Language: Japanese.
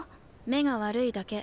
目が悪いだけ。